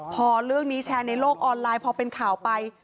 พอเรื่องนี้แชร์ในโลกออนไลน์พอเป็นข่าวไป